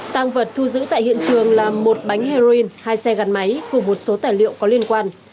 tăng vật thu giữ tại hiện trường là một bánh heroin hai xe gắn máy cùng một số tài liệu có liên quan